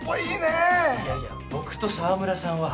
いやいや僕と澤村さんは。